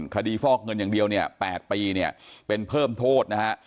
คดีฟอกเงินอย่างเดียว๘ปีเป็นเพิ่มโทษนะฮะ